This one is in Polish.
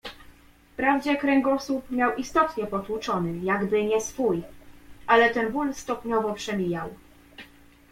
"Wprawdzie kręgosłup miał istotnie potłuczony, jakby nie swój, ale ten ból stopniowo przemijał."